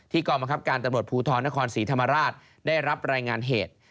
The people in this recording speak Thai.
กองบังคับการตำรวจภูทรนครศรีธรรมราชได้รับรายงานเหตุ